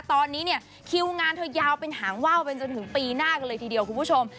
ตอนนี้เนี่ยคิวงานเธอยาวเป็นหางว่าวเป็นจนถึงปีหน้ากันเลยทีเดียวคุณผู้ชม